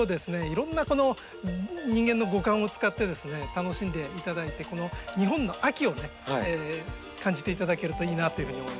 いろんなこの人間の五感を使ってですね楽しんで頂いてこの日本の秋をね感じて頂けるといいなというふうに思います。